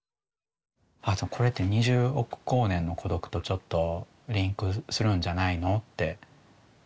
これって「二十億光年の孤独」とちょっとリンクするんじゃないのって。